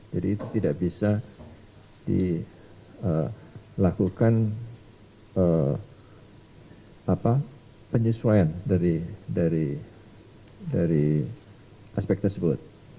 jadi itu tidak bisa dilakukan penyesuaian dari aspek tersebut